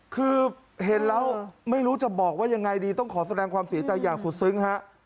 คือเห็นแล้วไม่รู้จะบอกว่ายังไงดีต้องขอแสดงความเสียใจอย่างสุดซึ้งฮะ